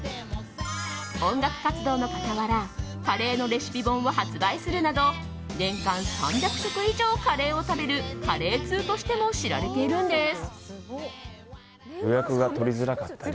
音楽活動の傍らカレーのレシピ本を発売するなど年間３００食以上カレーを食べるカレー通としても知られているんです。